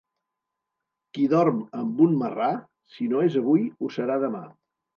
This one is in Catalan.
Qui dorm amb un marrà, si no és avui, ho serà demà.